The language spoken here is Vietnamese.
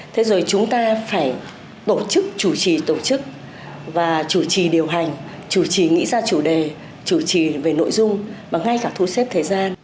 thế rồi chúng ta phải tổ chức chủ trì tổ chức và chủ trì điều hành chủ trì nghĩ ra chủ đề chủ trì về nội dung và ngay cả thu xếp thời gian